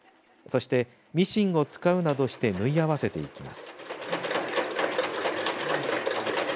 そしてミシンを使うなどして縫い合わせていきます。